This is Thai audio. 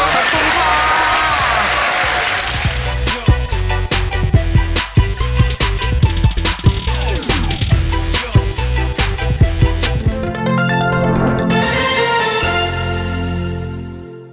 ขอบคุณครับ